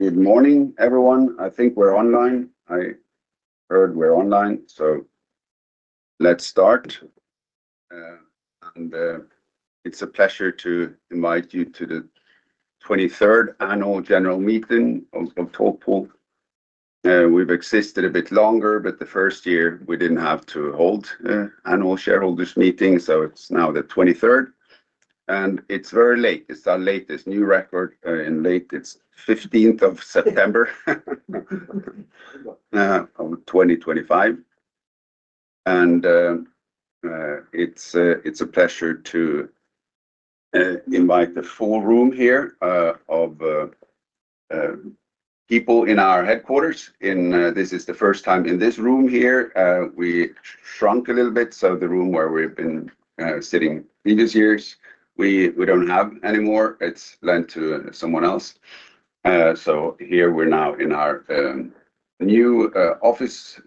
Good morning, everyone. I think we're online. I heard we're online, so let's start. It's a pleasure to invite you to the 23rd Annual General Meeting of Talkpool AG. We've existed a bit longer, but the first year we didn't have to hold annual shareholders' meetings, so it's now the 23rd. It's very late. It's our latest new record in late. It's the 15th of September 2025. It's a pleasure to invite the full room here of people in our headquarters. This is the first time in this room here. We shrunk a little bit, so the room where we've been sitting previous years, we don't have anymore. It's lent to someone else. Here we're now in our new office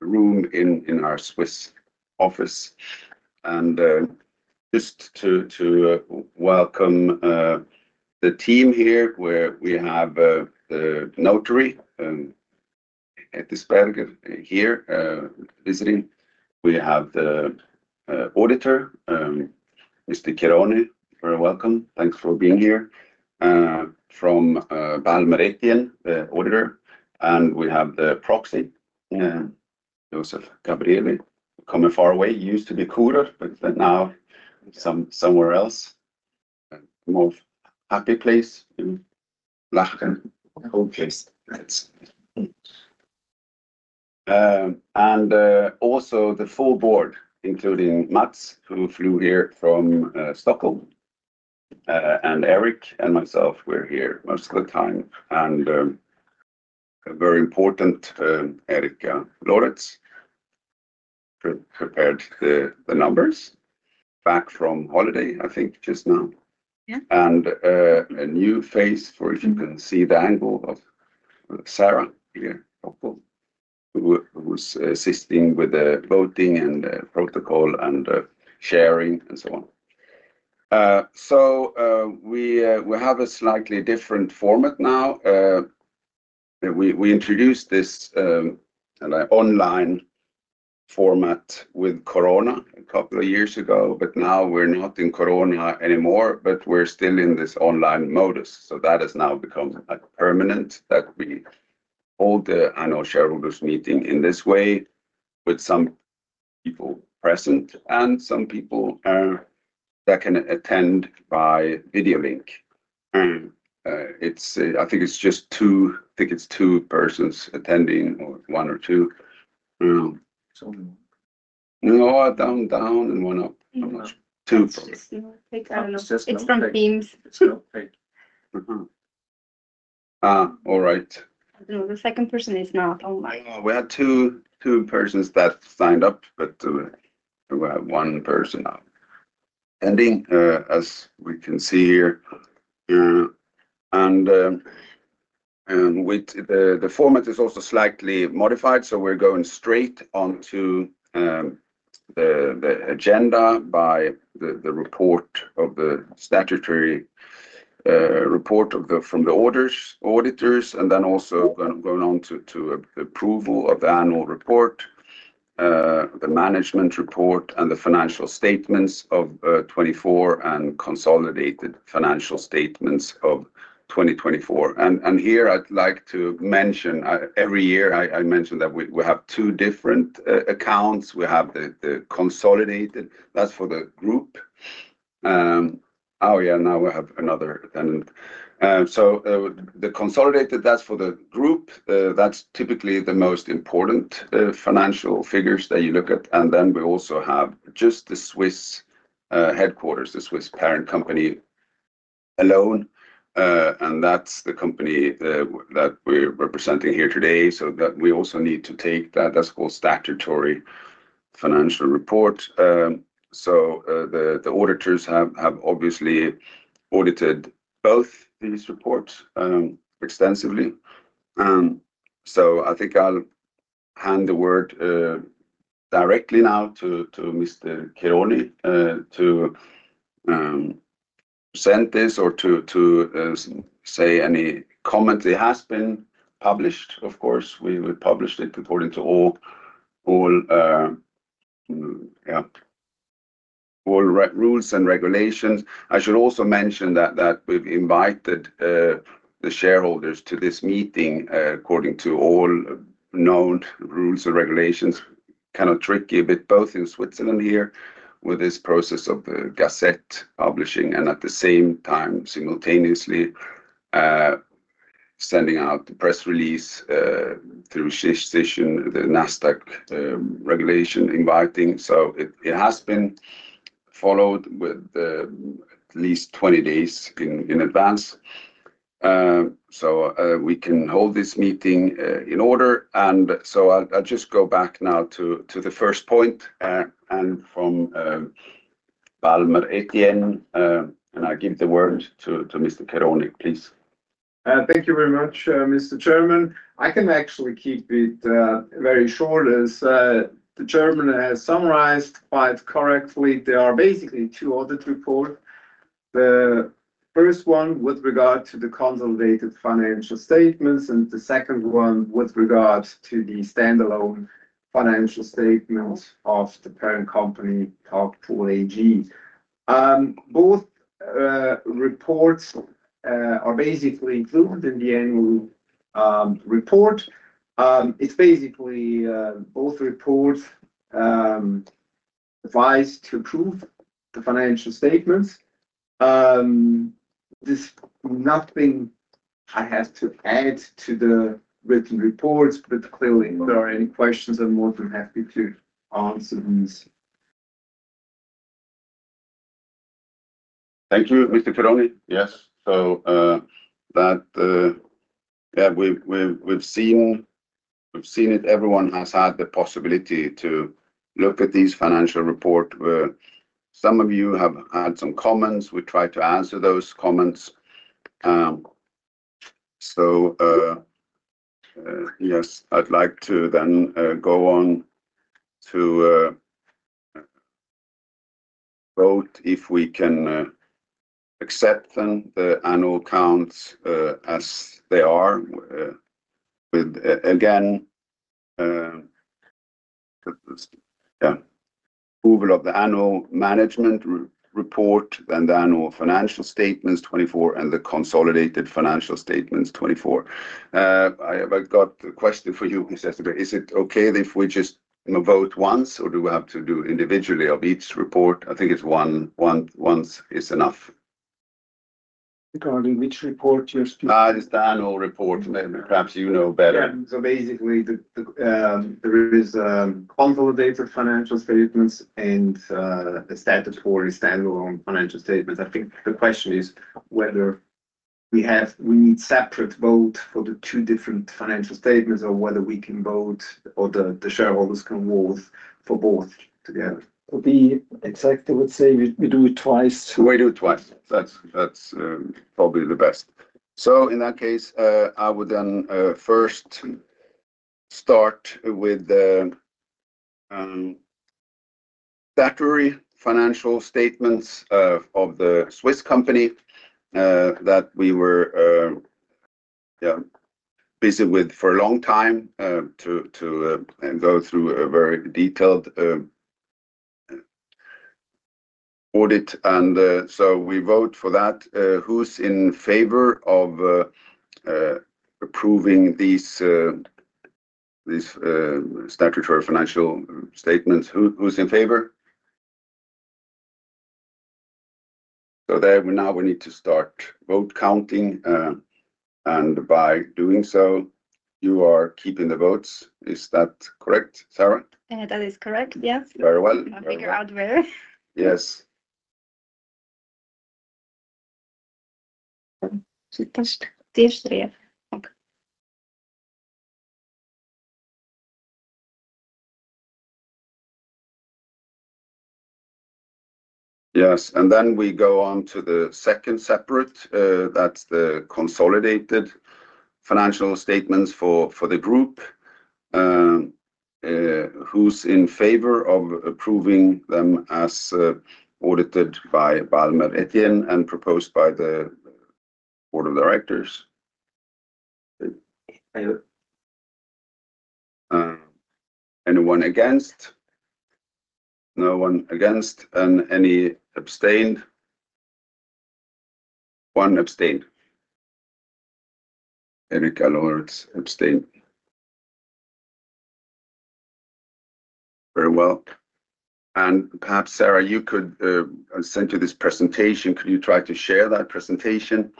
room in our Swiss office. Just to welcome the team here, we have the Notary Dr. Ettisberger here visiting. We have the auditor, Mr. Chironi. Welcome. Thanks for being here. From Balmorethian, the auditor. We have the proxy, Joseph Gabrieli, coming far away. He used to be Kudert, but now somewhere else. More happy place in Lahken. Cool place. Also the full board, including Mats, who flew here from Stockholm. Erik and myself, we're here most of the time. Very important, Erik Loretz prepared the numbers back from holiday, I think, just now. Yeah. A new face, or as you can see the angle of Sarah here, who was assisting with the voting and the protocol and the sharing and so on. We have a slightly different format now. We introduced this online format with Corona a couple of years ago, but now we're not in Corona anymore, but we're still in this online modus. That has now become like permanent that we hold the annual shareholders' meeting in this way with some people present and some people that can attend by video link. I think it's just two, I think it's two persons attending or one or two. No, I'm down. No, I'm down and one up. Do you want to take it? I don't know. It's from Teams. all right. I don't know. The second person is not online. We had two persons that signed up, but we have one person not attending, as we can see here. The format is also slightly modified, so we're going straight onto the agenda by the report of the statutory report from the auditors, and then also going on to the approval of the annual report, the management report, and the financial statements of 2024 and consolidated financial statements of 2024. I'd like to mention, every year I mention that we have two different accounts. We have the consolidated, that's for the group. Oh, yeah, now we have another then. The consolidated, that's for the group. That's typically the most important financial figures that you look at. Then we also have just the Swiss headquarters, the Swiss parent company alone. That's the company that we're representing here today. We also need to take that as a whole statutory financial report. The auditors have obviously audited both these reports extensively. I think I'll hand the word directly now to Mr. Chironi to present this or to say any comments. It has been published, of course. We published it according to all rules and regulations. I should also mention that we've invited the shareholders to this meeting according to all known rules and regulations. Kind of tricky, but both in Switzerland here with this process of the gazette publishing and at the same time, simultaneously sending out the press release through the SHIS station, the NASDAQ regulation inviting. It has been followed with at least 20 days in advance. We can hold this meeting in order. I'll just go back now to the first point. From Balmorethian, I'll give the word to Mr. Chironi, please. Thank you very much, Mr. Chairman. I can actually keep it very short. As the Chairman has summarized quite correctly, there are basically two audit reports. The first one with regard to the consolidated financial statements and the second one with regard to the standalone financial statements of the parent company, Talkpool AG. Both reports are basically included in the annual report. It's basically both reports advise to approve the financial statements. There's nothing I have to add to the written reports, but clearly, if there are any questions and more, we're happy to answer these. Thank you, Mr. Chironi. Yes, we've seen it. Everyone has had the possibility to look at these financial reports. Some of you have had some comments. We tried to answer those comments. I'd like to then go on to vote if we can accept them, the annual accounts as they are. Again, approval of the annual management report and the annual financial statements 2024 and the consolidated financial statements 2024. I've got a question for you who says that is it okay if we just vote once or do we have to do it individually of each report? I think once is enough. Regarding which report you're speaking? Just the annual report. Perhaps you know better. Basically, the review is consolidated financial statements and a status quo is standalone financial statements. I think the question is whether we have, we need separate votes for the two different financial statements or whether we can vote or the shareholders can vote for both together. The executive would say we do it twice. We do it twice. That's probably the best. In that case, I would then first start with the statutory financial statements of the Swiss company that we were busy with for a long time to go through a very detailed audit. We vote for that. Who's in favor of approving these statutory financial statements? Who's in favor? Now we need to start vote counting. By doing so, you are keeping the votes. Is that correct, Sarah? That is correct, yes. Very well. I'll figure out where. Yes. She pushed. Yes. We go on to the second separate. That's the consolidated financial statements for the group. Who's in favor of approving them as audited by Balmorethian and proposed by the board of directors? Anyone against? No one against? Any abstained? One abstained. Erik Loretz abstained. Very well. Sarah, I sent you this presentation. Could you try to share that presentation?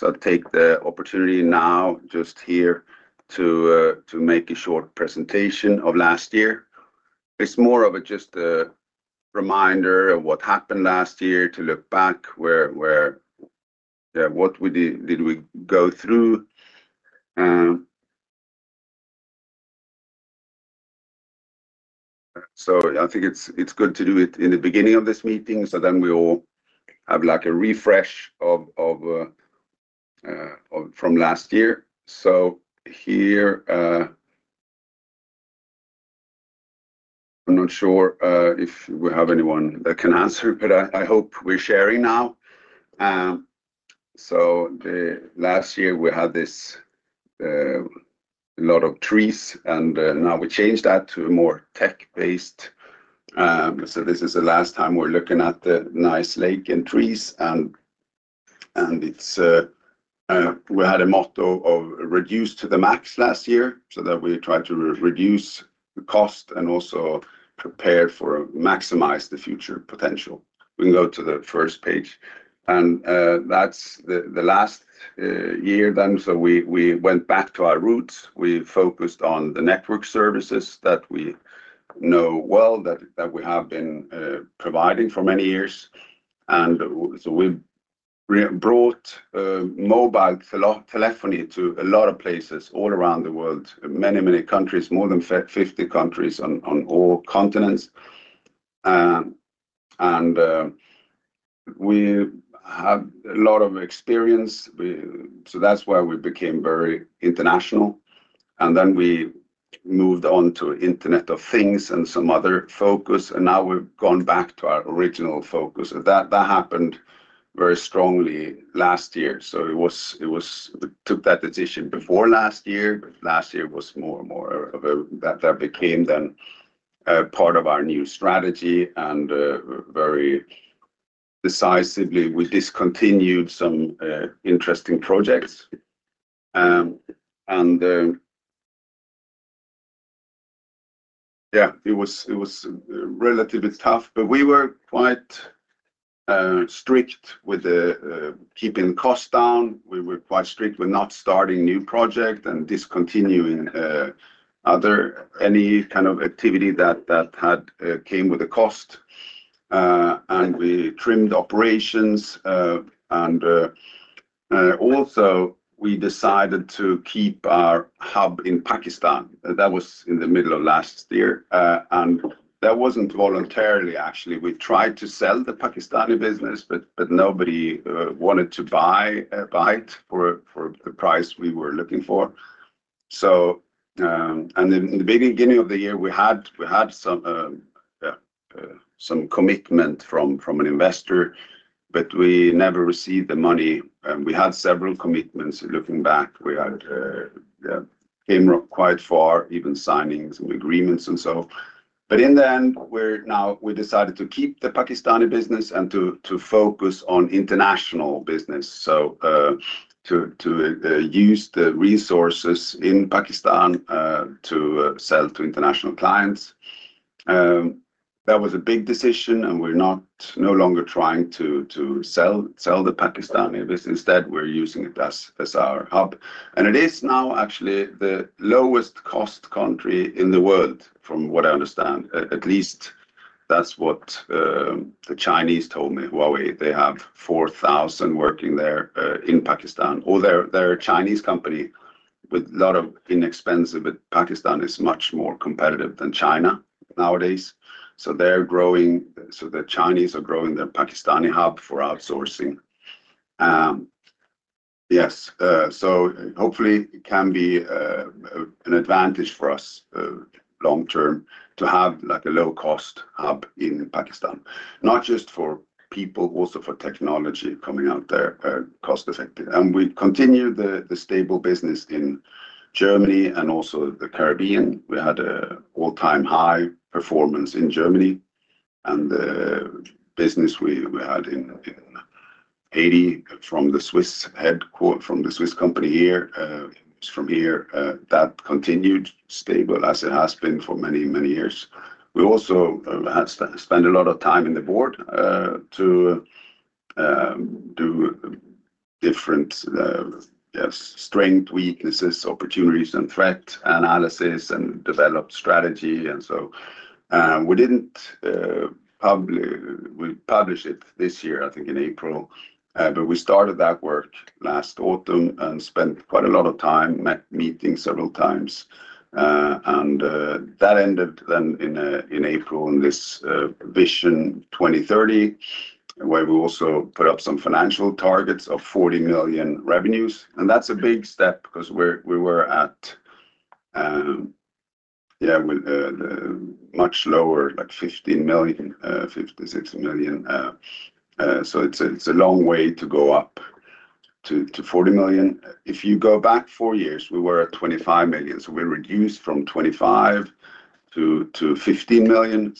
I'll take the opportunity now just here to make a short presentation of last year. It's more of just a reminder of what happened last year to look back, where, yeah, what did we go through? I think it's good to do it in the beginning of this meeting so we all have like a refresh from last year. I'm not sure if we have anyone that can answer, but I hope we're sharing now. Last year, we had this, a lot of trees, and now we changed that to more tech-based. This is the last time we're looking at the nice lake and trees. We had a motto of reduce to the max last year so that we tried to reduce the cost and also prepare for maximize the future potential. We can go to the first page. That's the last year then. We went back to our roots. We focused on the network services that we know well, that we have been providing for many years. We brought mobile telephony to a lot of places all around the world, many, many countries, more than 50 countries on all continents. We had a lot of experience. That's why we became very international. We moved on to Internet of Things and some other focus. Now we've gone back to our original focus. That happened very strongly last year. We took that decision before last year. Last year was more and more of a that became then part of our new strategy. Very decisively, we discontinued some interesting projects. It was relatively tough, but we were quite strict with keeping costs down. We were quite strict with not starting new projects and discontinuing any kind of activity that came with the cost. We trimmed operations. We decided to keep our hub in Pakistan. That was in the middle of last year. That wasn't voluntarily, actually. We tried to sell the Pakistani business, but nobody wanted to buy it for the price we were looking for. In the beginning of the year, we had some commitment from an investor, but we never received the money. We had several commitments. Looking back, we came up quite far, even signings and agreements and so on. In the end, we decided to keep the Pakistani business and to focus on international business, to use the resources in Pakistan to sell to international clients. That was a big decision, and we're no longer trying to sell the Pakistani business. Instead, we're using it as our hub, and it is now actually the lowest cost country in the world, from what I understand. At least that's what the Chinese told me, Huawei. They have 4,000 working there in Pakistan, or their Chinese company, with a lot of inexpensive, but Pakistan is much more competitive than China nowadays. They're growing, so the Chinese are growing their Pakistani hub for outsourcing. Hopefully, it can be an advantage for us long-term to have a low-cost hub in Pakistan, not just for people, also for technology coming out there, cost-effective. We continue the stable business in Germany and also the Caribbean. We had an all-time high performance in Germany, and the business we had in Haiti from the Swiss headquarters, from the Swiss company here, it's from here, that continued stable as it has been for many, many years. We also spent a lot of time in the board to do different strengths, weaknesses, opportunities, and threat analysis and develop strategy. We didn't publish it this year, I think, in April, but we started that work last autumn and spent quite a lot of time meeting several times. That ended then in April in this Vision 2030, where we also put up some financial targets of $40 million revenues. That's a big step because we were at, yeah, with much lower, like $15 million, $56 million. It's a long way to go up to $40 million. If you go back four years, we were at $25 million. We reduced from $25 million to $15 million,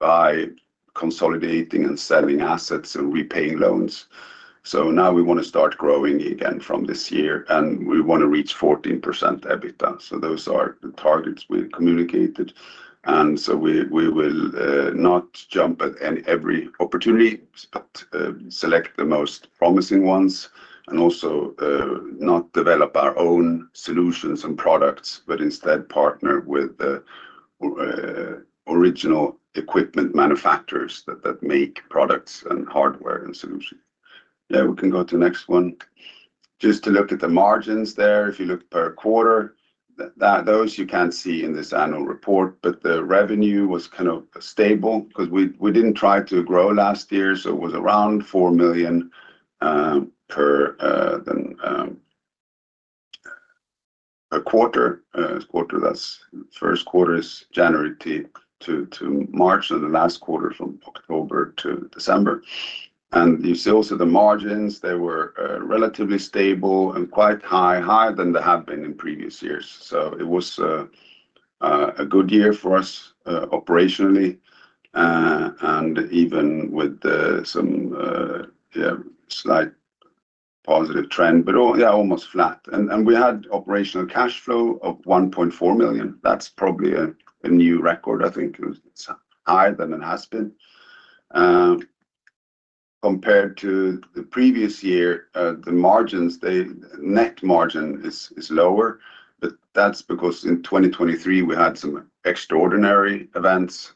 by consolidating and selling assets and repaying loans. Now we want to start growing again from this year, and we want to reach 14% EBITDA. Those are the targets we communicated. We will not jump at every opportunity, but select the most promising ones and also not develop our own solutions and products, but instead partner with the original equipment manufacturers that make products and hardware and solutions. We can go to the next one. Just to look at the margins there, if you look per quarter, those you can't see in this annual report, but the revenue was kind of stable because we didn't try to grow last year. It was around $4 million per quarter. The first quarter is January to March, and the last quarter from October to December. You see also the margins. They were relatively stable and quite high, higher than they have been in previous years. It was a good year for us operationally, with some slight positive trend, but almost flat. We had operational cash flow of $1.4 million. That's probably a new record. I think it was higher than it has been. Compared to the previous year, the margins, the net margin is lower, but that's because in 2023, we had some extraordinary events,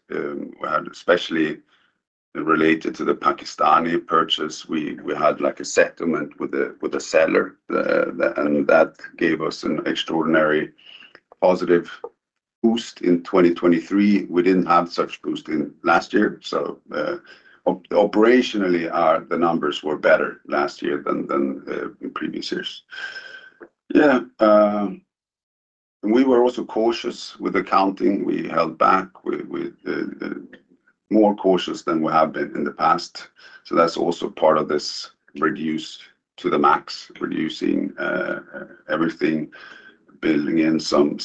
especially related to the Pakistani purchase. We had a settlement with a seller, and that gave us an extraordinary positive boost in 2023. We didn't have such a boost last year. Operationally, the numbers were better last year than the previous years. We were also cautious with accounting. We held back, more cautious than we have been in the past. That's also part of this reduced to the max, reducing everything, building in some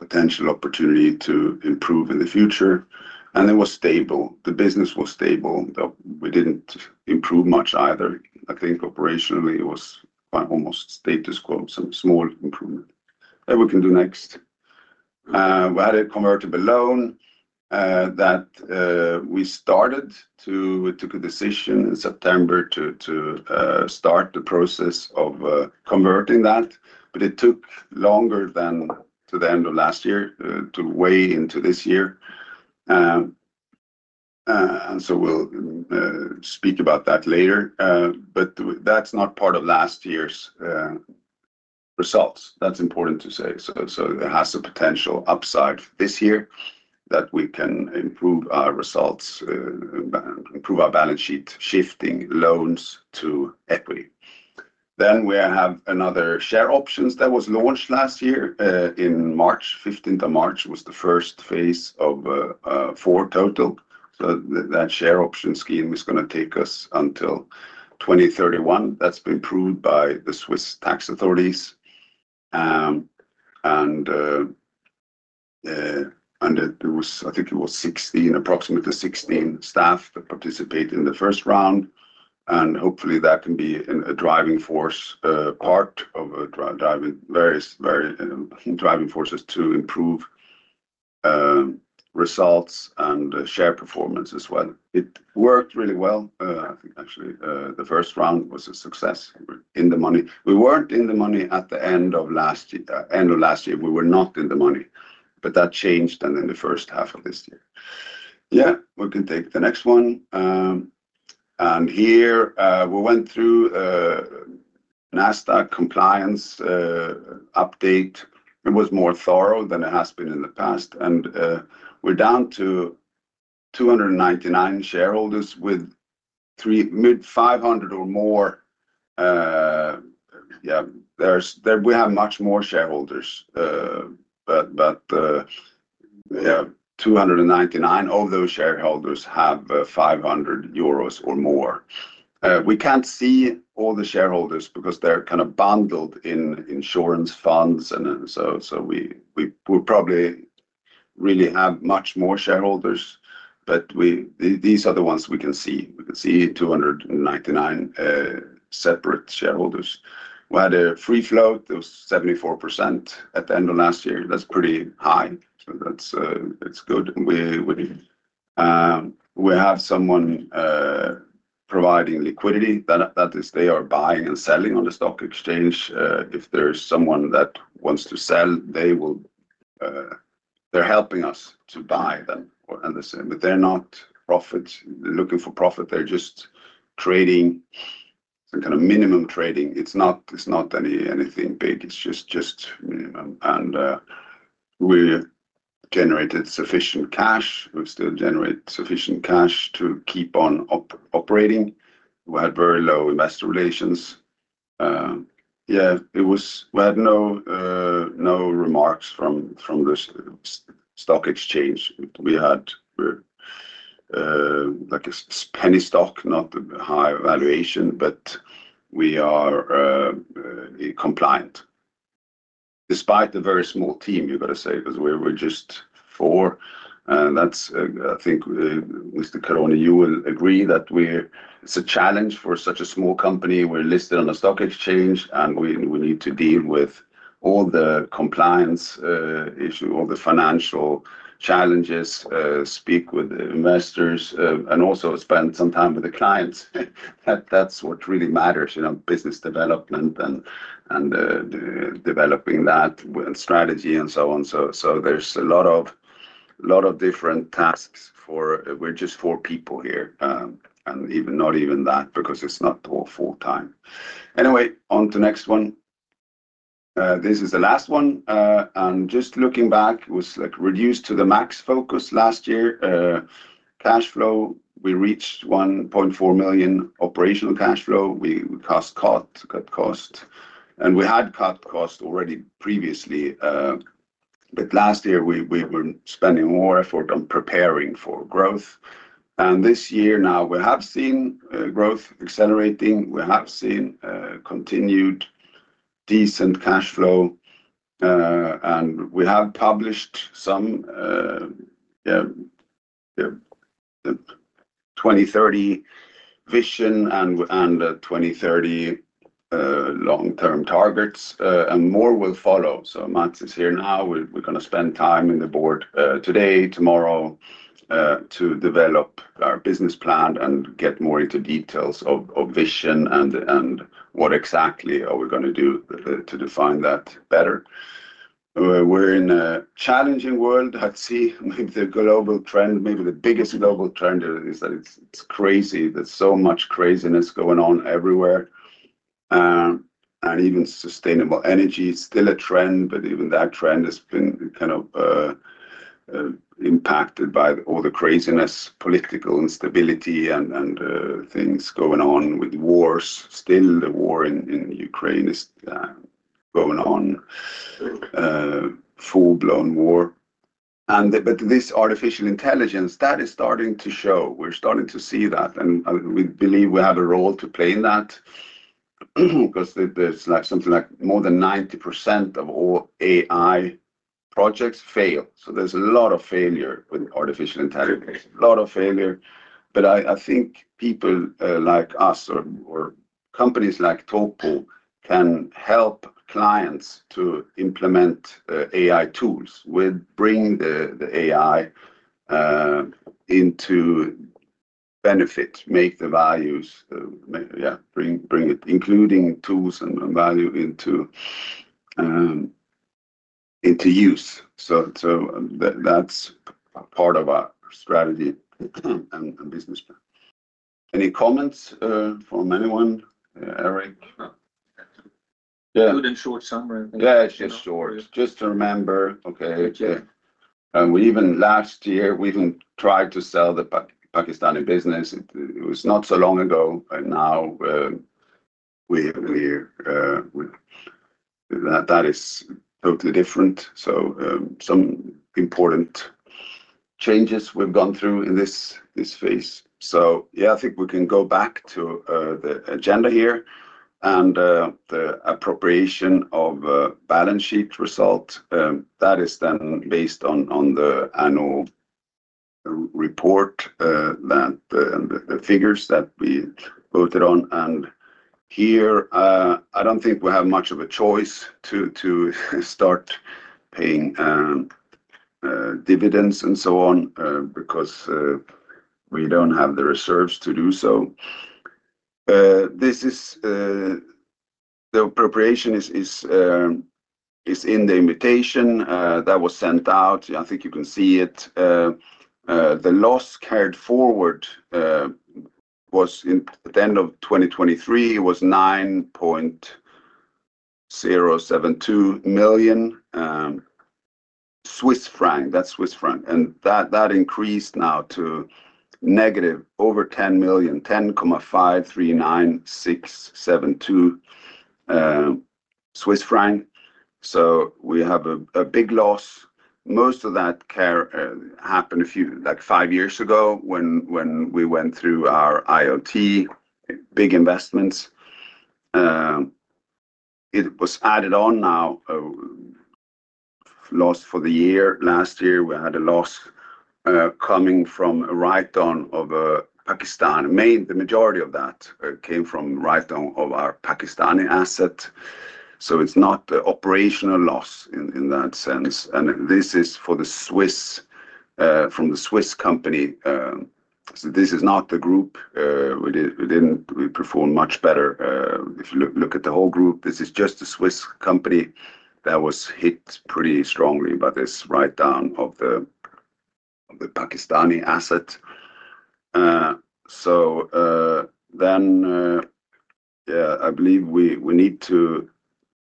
potential opportunity to improve in the future. It was stable. The business was stable. We didn't improve much either. I think operationally, it was almost status quo, some small improvement that we can do next. We had a convertible loan that we started to, we took a decision in September to start the process of converting that, but it took longer than to the end of last year to weigh into this year. We'll speak about that later. That's not part of last year's results. That's important to say. It has a potential upside this year that we can improve our results, improve our balance sheet, shifting loans to equity. We have another share options that was launched last year. On March 15th was the first phase of four total. That share option scheme was going to take us until 2031. That's been approved by the Swiss tax authorities. I think it was 16, approximately 16 staff that participated in the first round. Hopefully, that can be a driving force, part of various driving forces to improve results and share performance as well. It worked really well. I think actually the first round was a success. We were in the money. We weren't in the money at the end of last year. The end of last year, we were not in the money, but that changed in the first half of this year. We can take the next one. Here, we went through a NASDAQ compliance update. It was more thorough than it has been in the past. We're down to 299 shareholders with three mid 500 or more. We have much more shareholders, but 299 of those shareholders have CHF 500 or more. We can't see all the shareholders because they're kind of bundled in insurance funds. We probably really have much more shareholders, but these are the ones we can see. We can see 299 separate shareholders. We had a free float of 74% at the end of last year. That's pretty high. That's good. We have someone providing liquidity. That is, they are buying and selling on the stock exchange. If there's someone that wants to sell, they're helping us to buy them. They're not looking for profit. They're just trading a kind of minimum trading. It's not anything big. We generated sufficient cash. We still generate sufficient cash to keep on operating. We had very low investor relations. We had no remarks from the stock exchange. We had like a penny stock, not the high valuation, but we are compliant. Despite the very small team, you've got to say that we're just four. I think Mr. Chironi, you will agree that it's a challenge for such a small company. We're listed on a stock exchange, and we need to deal with all the compliance issues, all the financial challenges, speak with investors, and also spend some time with the clients. That's what really matters in business development and developing that strategy and so on. There are a lot of different tasks for, we're just four people here, and not even that because it's not all full-time. Anyway, on to the next one. This is the last one. Looking back, it was like reduced to the max focus last year. Cash flow, we reached 1.4 million operational cash flow. We cut cost. We had cut cost already previously, but last year, we were spending more effort on preparing for growth. This year, now we have seen growth accelerating. We have seen continued decent cash flow. We have published some Vision 2030 and 2030 long-term targets, and more will follow. Mats is here now. We're going to spend time in the board today, tomorrow, to develop our business plan and get more into details of vision and what exactly are we going to do to define that better. We're in a challenging world. Let's see with the global trend. Maybe the biggest global trend is that it's crazy. There's so much craziness going on everywhere. Even sustainable energy is still a trend, but even that trend has been kind of impacted by all the craziness, political instability, and things going on with wars. The war in Ukraine is still going on. Full-blown war. This artificial intelligence, that is starting to show. We're starting to see that. We believe we have a role to play in that because there's like something like more than 90% of all AI projects fail. There's a lot of failure with artificial intelligence. A lot of failure. I think people like us or companies like Talkpool can help clients to implement AI tools with bringing the AI into benefit, make the values, yeah, bring it, including tools and value into use. That's a part of our strategy and business plan. Any comments from anyone, Erik? Yeah, good and short summary. Yeah, it's just short. Just to remember, okay. Yeah. Last year, we even tried to sell the Pakistani business. It was not so long ago, but now that is totally different. Some important changes we've gone through in this phase. I think we can go back to the agenda here and the appropriation of the balance sheet result. That is then based on the annual report and the figures that we voted on. Here, I don't think we have much of a choice to start paying dividends and so on because we don't have the reserves to do so. The appropriation is in the invitation that was sent out. I think you can see it. The loss carried forward was at the end of 2023, it was 9.072 million Swiss franc. That's Swiss francs. That increased now to negative over 10 million, 10,539,672 Swiss franc. We have a big loss. Most of that happened a few, like five years ago, when we went through our IoT big investments. It was added on now, a loss for the year. Last year, we had a loss coming from a write-down of Pakistan. The majority of that came from write-down of our Pakistani asset. It's not the operational loss in that sense. This is for the Swiss company. This is not the group. We performed much better if you look at the whole group. This is just the Swiss company that was hit pretty strongly by this write-down of the Pakistani asset. I believe we need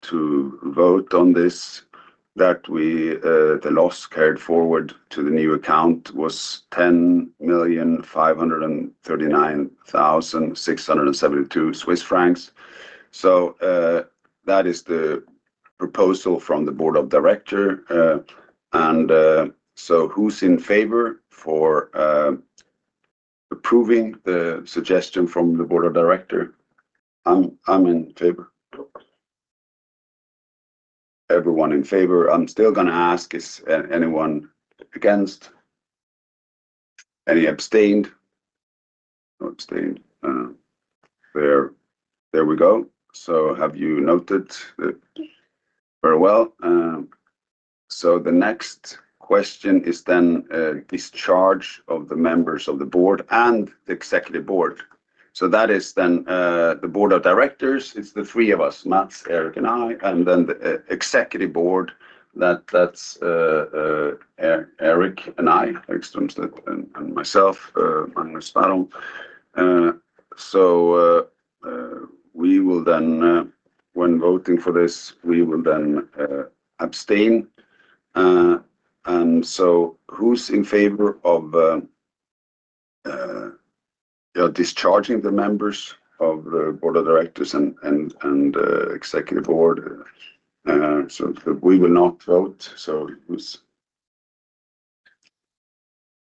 to vote on this, that the loss carried forward to the new account was 10,539,672 Swiss francs. That is the proposal from the Board of Directors. Who's in favor for approving the suggestion from the Board of Directors? I'm in favor. Everyone in favor. I'm still going to ask, is anyone against? Any abstained? No abstained. There we go. Have you noted that? Very well. The next question is then a discharge of the members of the Board and the Executive Board. That is then the Board of Directors. It's the three of us, Mats, Erik, and I, and then the Executive Board. That's Erik and I, and myself, Magnus Sparrholm. When voting for this, we will then abstain. Who's in favor of discharging the members of the Board of Directors and Executive Board? We will not vote. Who's in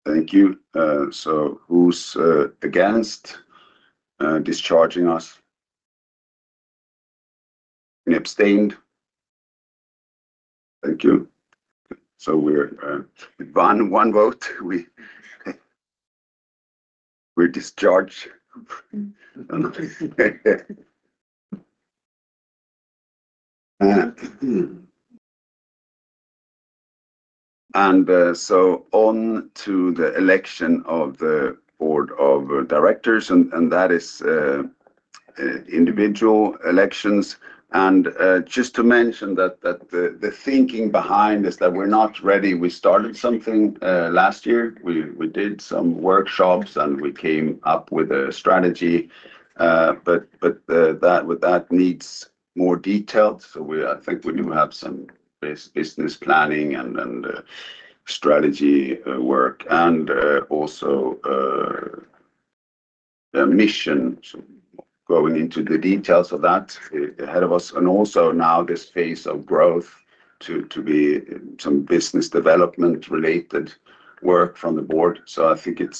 favor? Thank you. Who's against discharging us? Any abstained? Thank you. With one vote, we're discharged. On to the election of the Board of Directors. That is individual elections. Just to mention that the thinking behind this, that we're not ready, we started something last year. We did some workshops, and we came up with a strategy. That needs more detail. I think we do have some business planning and strategy work and also the mission, so going into the details of that ahead of us. Also, now this phase of growth will be some business development-related work from the board. I think it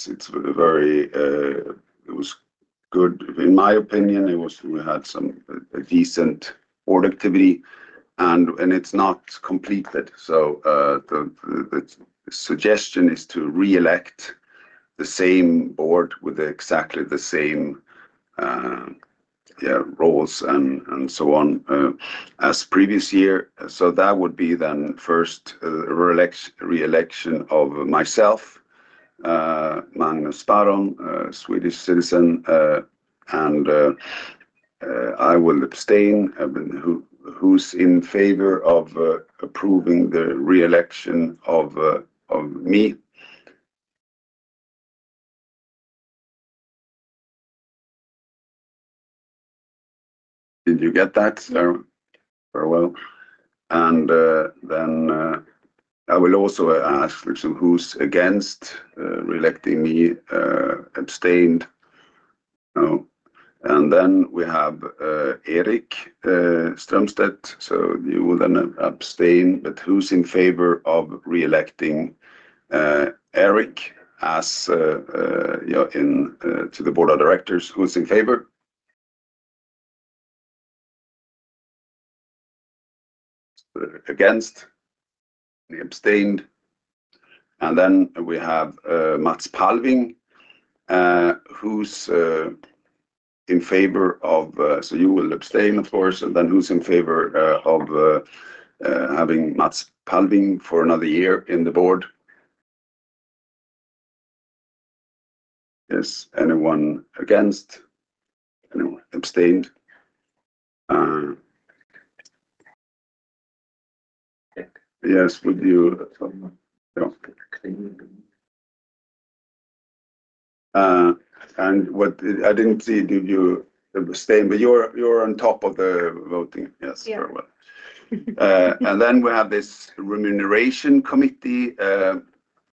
was good. In my opinion, we had some decent board activity, and it's not completed. The suggestion is to re-elect the same board with exactly the same roles and so on as previous year. That would be then first a re-election of myself, Magnus Sparrholm, Swedish citizen. I will abstain. Who's in favor of approving the re-election of me? Did you get that, Sarah? Very well. I will also ask, who's against re-electing me? Abstained. Then we have Erik Strömstedt. You would then abstain. Who's in favor of re-electing Erik to the board of directors? Who's in favor? Against? Any abstained? Then we have Mats Palving. Who's in favor of, so you will abstain, of course. Who's in favor of having Mats Palving for another year in the board? Yes. Anyone against? Abstained? Yes. Would you? What I didn't see, did you abstain? You're on top of the voting. Yes. Then we have this remuneration committee.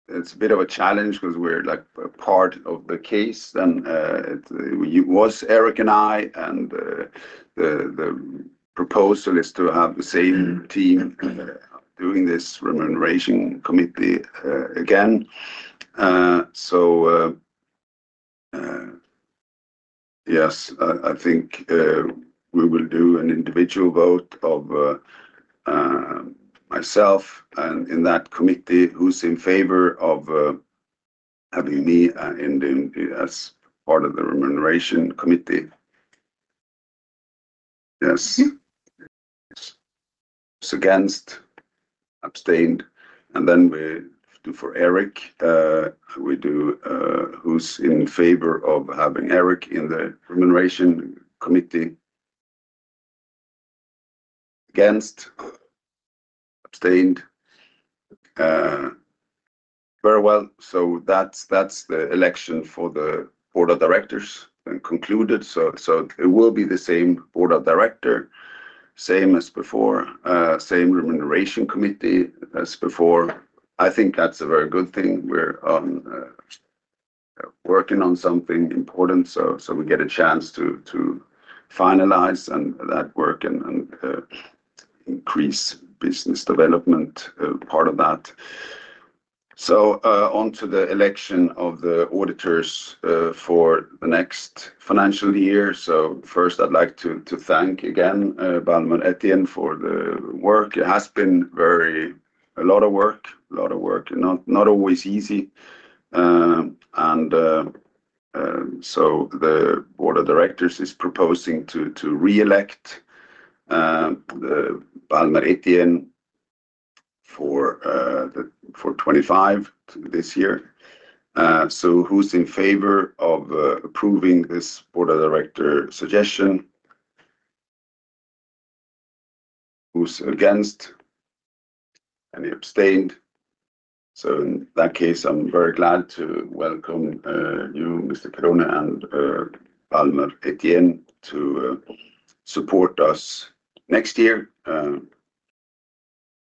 It's a bit of a challenge because we're like a part of the case. It was Erik and I, and the proposal is to have the same team doing this remuneration committee again. I think we will do an individual vote of myself. In that committee, who's in favor of having me as part of the remuneration committee? Yes. Against? Abstained. Then we do for Erik. We do who's in favor of having Erik in the remuneration committee? Against? Abstained. Very well. That's the election for the board of directors concluded. It will be the same board of directors, same as before, same remuneration committee as before. I think that's a very good thing. We're working on something important. We get a chance to finalize that work and increase business development part of that. On to the election of the auditors for the next financial year. First, I'd like to thank again Balmorethian for the work. It has been a lot of work, a lot of work, not always easy. The board of directors is proposing to re-elect Balmorethian for 2025 this year. Who's in favor of approving this Board of Directors suggestion? Who's against? Any abstained? In that case, I'm very glad to welcome you, Mr. Chironi, and Balmorethian, to support us next year.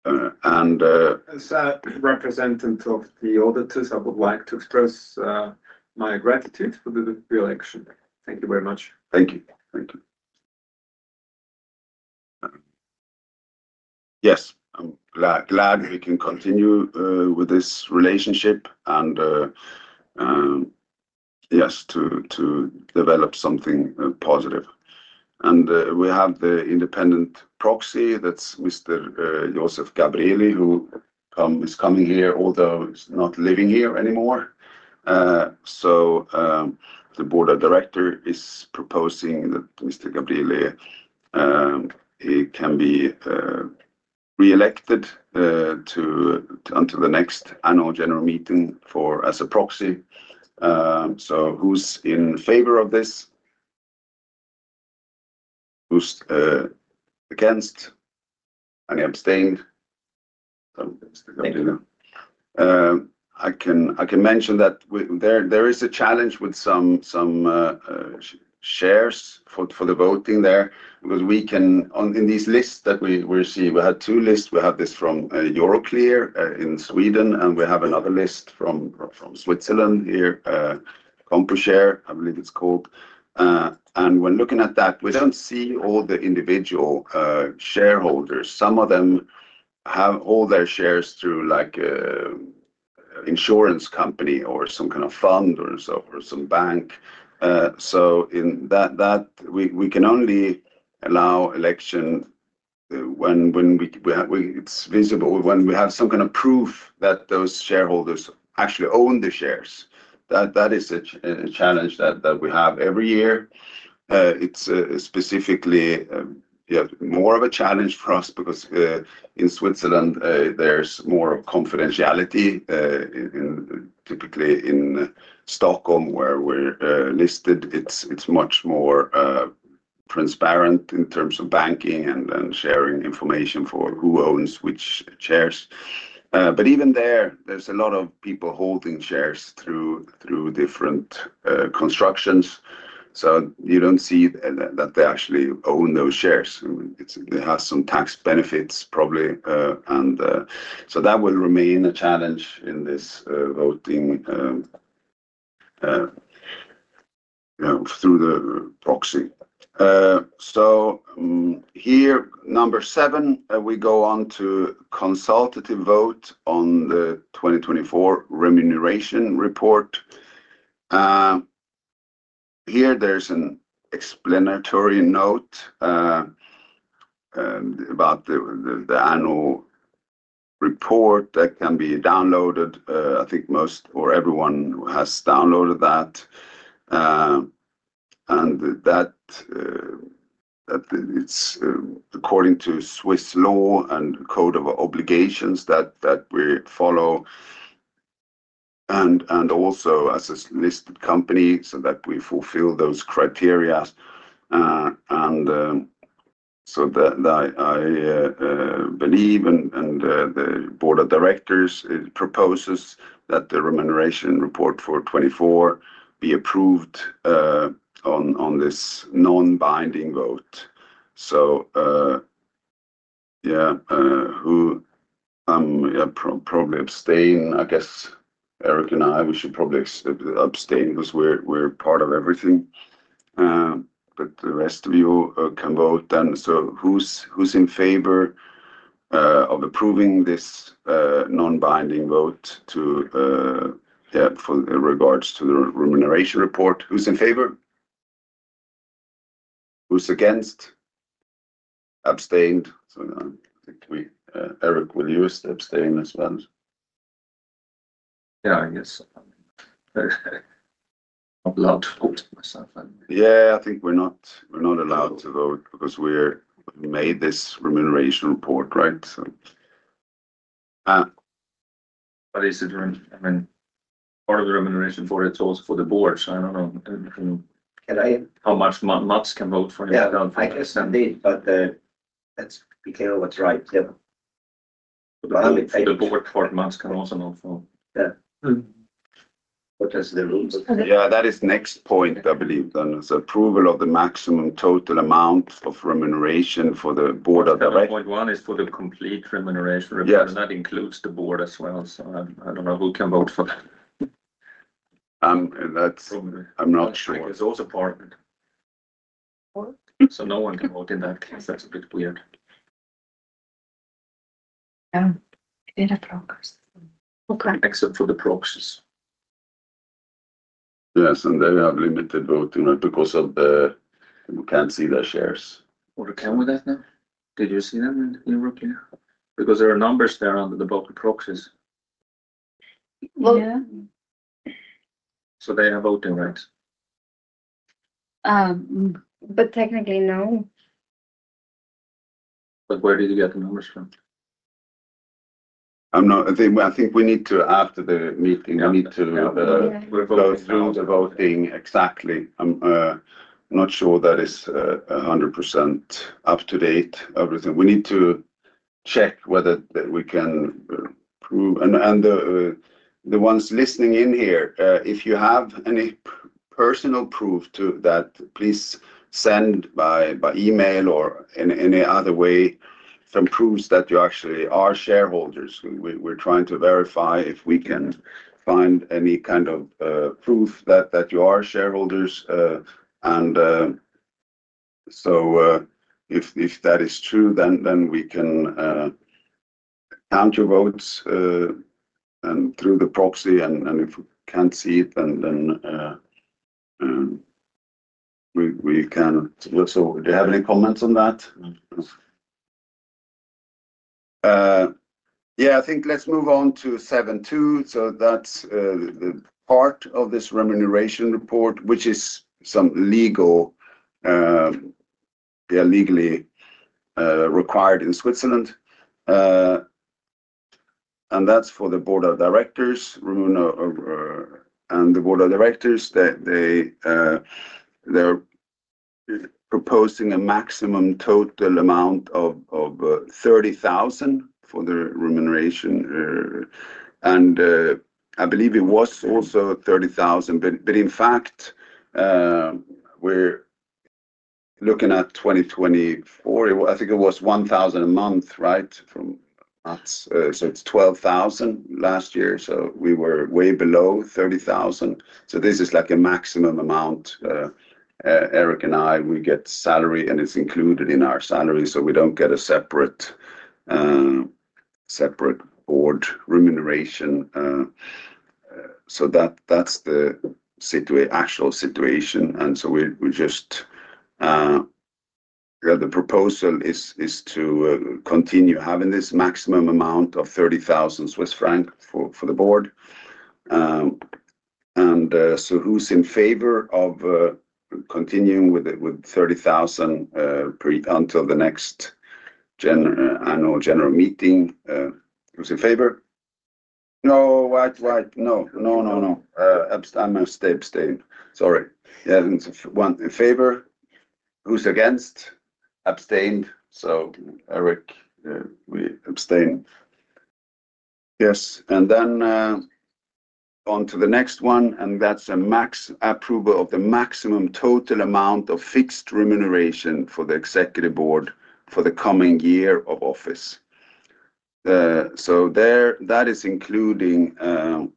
As a representative of the auditors, I would like to express my gratitude for the re-election. Thank you very much. Thank you. Yes, I'm glad we can continue with this relationship and to develop something positive. We have the independent proxy. That's Mr. Joseph Gabrieli, who is coming here, although he's not living here anymore. The Board of Directors is proposing that Mr. Gabrieli can be re-elected until the next Annual General Meeting as a proxy. Who's in favor of this? Who's against? Any abstained? I can mention that there is a challenge with some shares for the voting there because in these lists that we receive, we had two lists. We have this from Euroclear in Sweden, and we have another list from Switzerland here, Compushare, I believe it's called. When looking at that, we don't see all the individual shareholders. Some of them have all their shares through an insurance company or some kind of fund or some bank. In that, we can only allow election when it's visible, when we have some kind of proof that those shareholders actually own the shares. That is a challenge that we have every year. It's specifically more of a challenge for us because in Switzerland, there's more confidentiality. Typically, in Stockholm, where we're listed, it's much more transparent in terms of banking and sharing information for who owns which shares. Even there, there's a lot of people holding shares through different constructions, so you don't see that they actually own those shares. They have some tax benefits, probably. That will remain a challenge in this voting through the proxy. Here, number seven, we go on to consultative vote on the 2024 remuneration report. There's an explanatory note about the annual report that can be downloaded. I think most or everyone has downloaded that. It's according to Swiss law and the Code of Obligations that we follow, and also as a listed company so that we fulfill those criteria. I believe and the Board of Directors proposes that the remuneration report for 2024 be approved on this non-binding vote. I'm probably abstaining. I guess Erik and I, we should probably abstain because we're part of everything. The rest of you can vote. Who is in favor of approving this non-binding vote for the remuneration report? Who is in favor? Who is against? Abstained. I think Erik will use the abstain as well. Yeah, I guess I'm allowed to vote myself. Yeah, I think we're not allowed to vote because we made this remuneration report, right. Is it, I mean, part of the remuneration for it's also for the board? I don't know. Can I, how much Mats can vote for it? I can't decide that. We care what's right. The board part, Mats can also not vote. What is the rule? Yeah, that is next point, I believe. It's approval of the maximum total amount of remuneration for the Board of Directors. Point one is for the complete remuneration report. That includes the board as well. I don't know who can vote for that. I'm not sure. It's also part, so no one can vote in that case. That's a bit weird. In a proxy. Except for the proxies. Yes, and they have limited voting because of the. Can't see their shares. Who can with that now? Did you see them in Europe? Because there are numbers there under the box of proxies. Well, yeah. They're not voting, right? Technically, no. Where did you get the numbers from? I think we need to, after the meeting, I need to go through the voting exactly. I'm not sure that it's 100% up to date, everything. We need to check whether we can. The ones listening in here, if you have any personal proof to that, please send by email or in any other way some proofs that you actually are shareholders. We're trying to verify if we can find any kind of proof that you are shareholders. If that is true, then we can countervote and through the proxy. If we can't see it, then we can. Do you have any comments on that? Yeah, I think let's move on to 7.2. That's the part of this remuneration report, which is some legal, yeah, legally required in Switzerland. That's for the Board of Directors. The Board of Directors, they're proposing a maximum total amount of 30,000 for the remuneration. I believe it was also 30,000. In fact, we're looking at 2024. I think it was 1,000 a month, right? It's 12,000 last year. We were way below 30,000. This is like a maximum amount. Erik and I, we get salary, and it's included in our salary. We don't get a separate board remuneration. That's the actual situation. The proposal is to continue having this maximum amount of 30,000 Swiss franc for the board. Who's in favor of continuing with 30,000 until the next annual general meeting? Who's in favor? No, what? What? No, no, no, no. I'm going to stay abstained. Sorry. Yeah, it's one in favor. Who's against? Abstained. Erik, we abstain. Yes. On to the next one. That's a max approval of the maximum total amount of fixed remuneration for the executive board for the coming year of office. That is including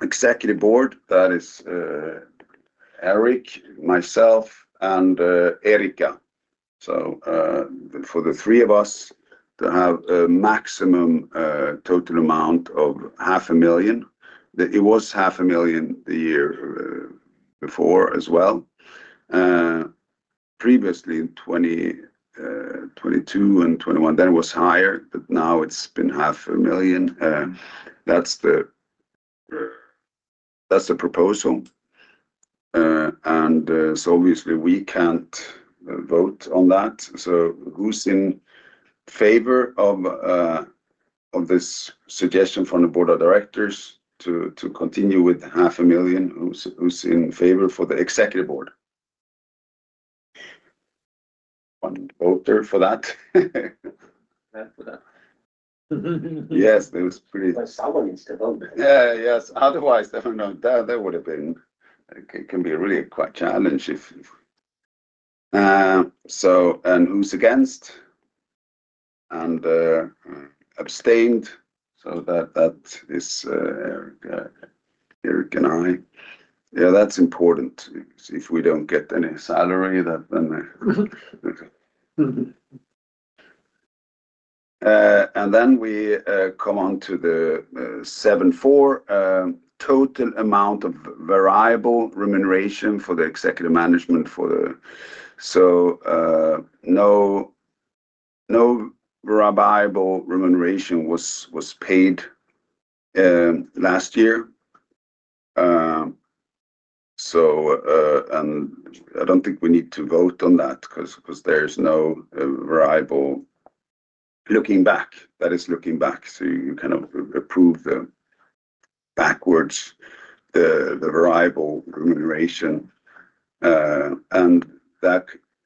executive board. That is Erik, myself, and Erika. For the three of us to have a maximum total amount of 500,000. It was 500,000 the year before as well. Previously, in 2022 and 2021, it was higher, but now it's been 500,000. That's the proposal. Obviously, we can't vote on that. Who's in favor of this suggestion from the Board of Directors to continue with 500,000? Who's in favor for the executive board? One voter for that. Yes, that was pretty. Quite powerless, though, wasn't it? Yes. Otherwise, definitely, no, that would have been, it can be really quite challenging. Who's against? And abstained. That is Erik and I. That's important. If we don't get any salary, that then. We come on to the 7.4, total amount of variable remuneration for the executive management for the. No variable remuneration was paid last year. I don't think we need to vote on that because there's no variable looking back. That is looking back. You kind of approve the backwards, the variable remuneration.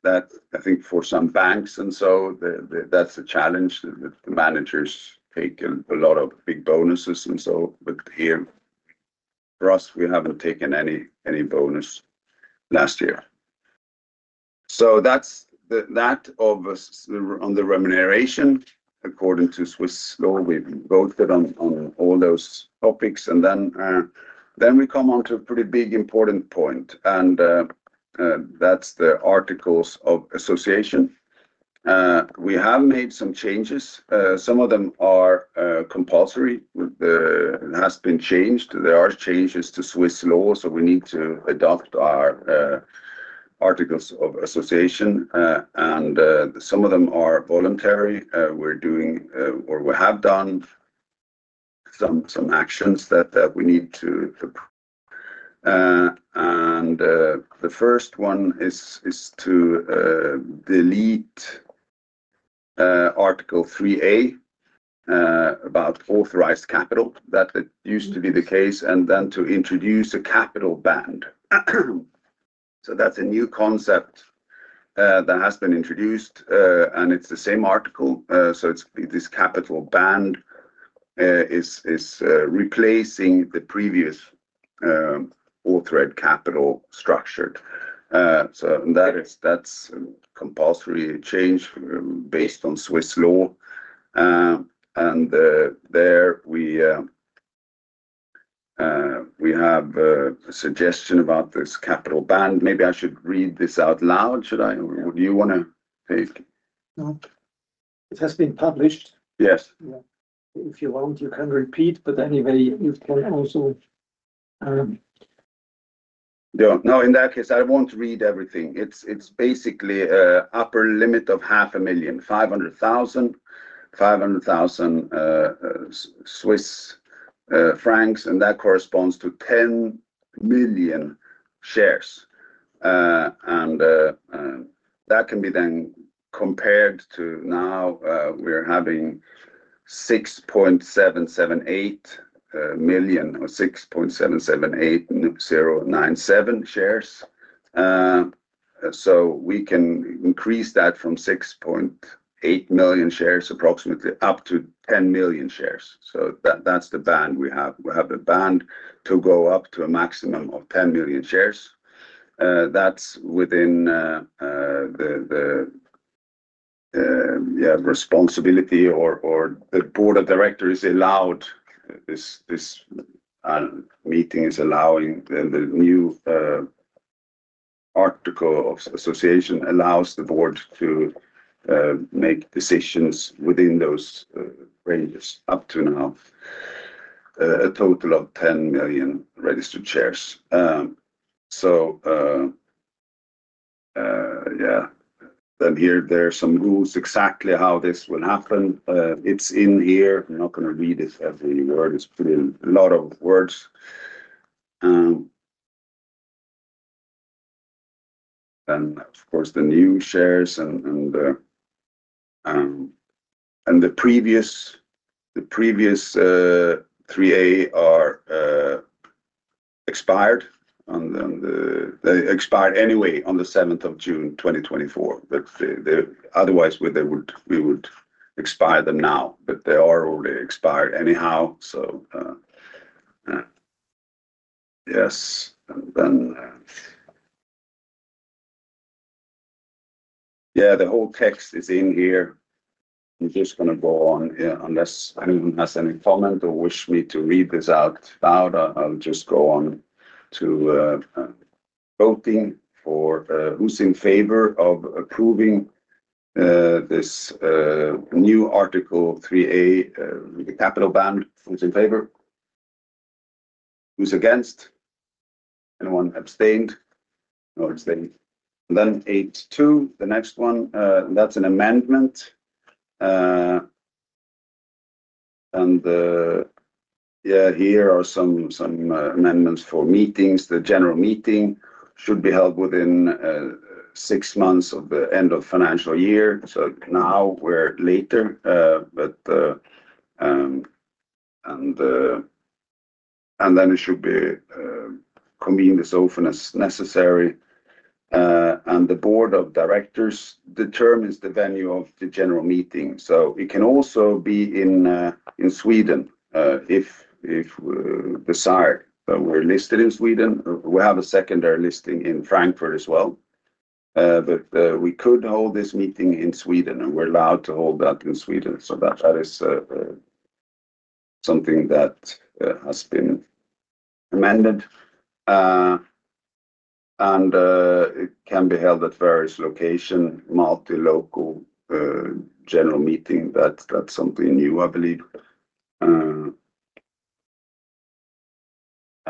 I think, for some banks and so, that's a challenge. The managers take a lot of big bonuses and so, but here for us, we haven't taken any bonus last year. That's that of us on the remuneration. According to Swiss law, we voted on all those topics. We come on to a pretty big important point. That's the articles of association. We have made some changes. Some of them are compulsory. It has been changed. There are changes to Swiss law, so we need to adopt our articles of association. Some of them are voluntary. We're doing, or we have done some actions that we need to. The first one is to delete Article 3A about authorized capital. That used to be the case. Then to introduce a capital band. That's a new concept that has been introduced, and it's the same article. This capital band is replacing the previous authorized capital structure. That's a compulsory change based on Swiss law. There we have a suggestion about this capital band. Maybe I should read this out loud. Should I? Or do you want to? It has been published. Yes. If you want, you can repeat. Anyway, you've probably also. No, in that case, I won't read everything. It's basically an upper limit of 500,500 Swiss francs, and that corresponds to 10 million shares. That can be then compared to now we're having 6.778 million or 6.778097 shares. We can increase that from 6.8 million shares approximately up to 10 million shares. That's the band we have. We have the band to go up to a maximum of 10 million shares. That's within, yeah, responsibility or the Board of Directors is allowed. This meeting is allowing the new article of association allows the Board to make decisions within those ranges up to now a total of 10 million registered shares. There are some rules exactly how this will happen. It's in here. I'm not going to read it. We already split a lot of words. Of course, the new shares and the previous 3A are expired. They expired anyway on June 7, 2024. Otherwise, we would expire them now. They are already expired anyhow. The whole text is in here. I'm just going to go on, unless anyone has any comment or wish me to read this out loud. I'll just go on to voting for who's in favor of approving this new Article 3A, the capital band. Who's in favor? Who's against? Anyone abstained? No abstained. Then 8.2, the next one, that's an amendment. Here are some amendments for meetings. The general meeting should be held within six months of the end of the financial year. Now we're later. It should be convened as often as necessary. The Board of Directors determines the venue of the general meeting. It can also be in Sweden if desired. We're listed in Sweden. We have a secondary listing in Frankfurt as well. We could hold this meeting in Sweden. We're allowed to hold that in Sweden. That is something that has been amended. It can be held at various locations, multi-local general meeting. That's something new, I believe.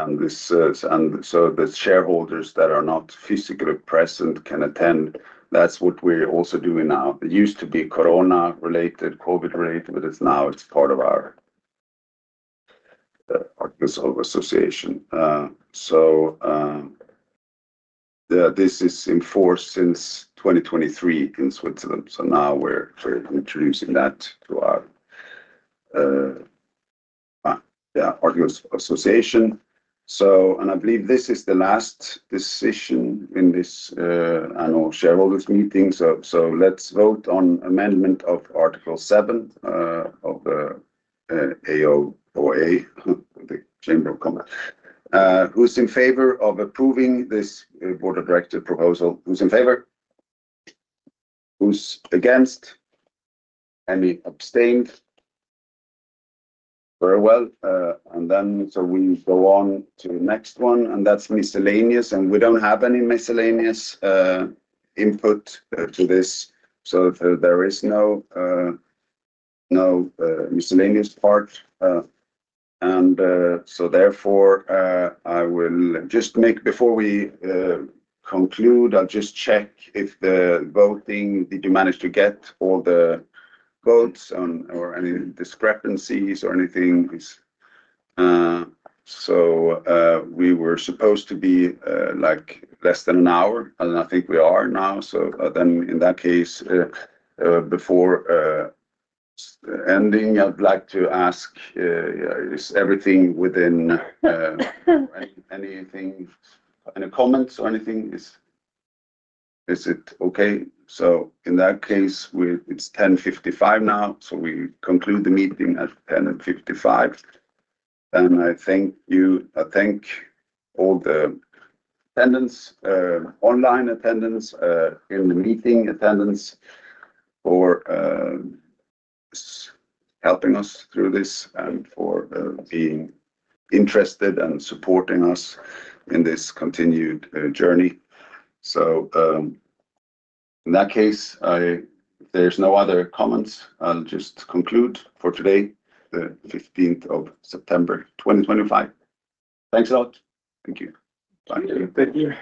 The shareholders that are not physically present can attend. That's what we're also doing now. It used to be corona-related, COVID-related, but now it's part of our articles of association. This is enforced since 2023 in Switzerland. Now we're introducing that to our articles of association. I believe this is the last decision in this annual shareholders' meeting. Let's vote on amendment of Article 7 of the AOA of the Chamber of Commerce. Who's in favor of approving this Board of Directors proposal? Who's in favor? Who's against? Any abstained? Very well. We go on to the next one, and that's miscellaneous. We don't have any miscellaneous input to this, so there is no miscellaneous part. Before we conclude, I'll just check if the voting, did you manage to get all the votes or any discrepancies or anything? We were supposed to be like less than an hour, and I think we are now. In that case, before ending, I'd like to ask, is everything within anything, any comments or anything? Is it okay? In that case, it's 10:55 A.M. We conclude the meeting at 10:55 A.M., and I thank you, I thank all the attendance, online attendance, in the meeting attendance for helping us through this and for being interested and supporting us in this continued journey. In that case, there's no other comments. I'll just conclude for today, the 15th of September 2025. Thanks a lot. Thank you. Bye. Thank you.